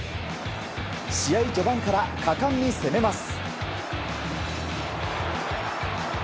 試合序盤から果敢に攻めます。